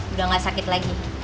udah gak sakit lagi